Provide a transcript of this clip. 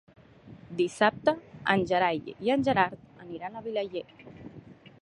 Dissabte en Gerai i en Gerard aniran a Vilaller.